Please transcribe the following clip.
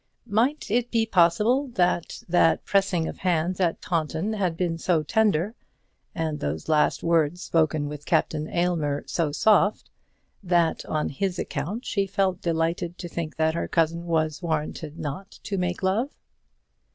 Might it be possible that that pressing of hands at Taunton had been so tender, and those last words spoken with Captain Aylmer so soft, that on his account she felt delighted to think that her cousin was warranted not to make love?